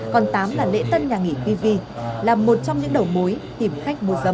còn tám là lễ tân nhà nghỉ pv là một trong những đầu mối tìm khách mua dâm